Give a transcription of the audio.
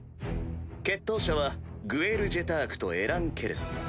決闘者はグエル・ジェタークとエラン・ケレス。